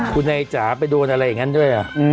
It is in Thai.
คุณไอ้จ๋าไปโดนอะไรอย่างนั้นด้วย